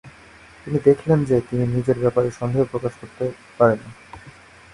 তিনি দেখলেন যে, তিনি নিজের ব্যাপারে সন্দেহ প্রকাশ করতে পারেন না।